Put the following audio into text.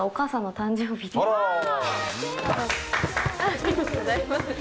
ありがとうございます。